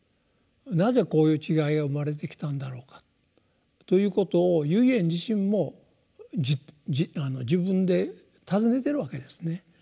「なぜこういう違いが生まれてきたんだろうか」ということを唯円自身も自分で尋ねてるわけですね。